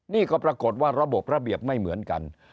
นี่ก็ปรากฏว่าระบบระเบียบไม่เหมือนกัน